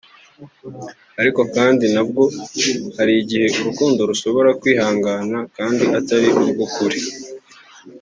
Ariko kandi nabwo hari igihe uru rukundo rushobora kwihangana kandi atari urw’ukuri